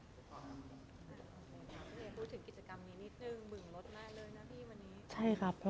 ทุกคนอาจพูดถึงกิจกรรมนี้มิดทึงบึงลดมากเลยนะพี่วันนี้